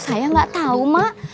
saya enggak tahu mak